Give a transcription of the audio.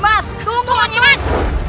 mas tunggu mas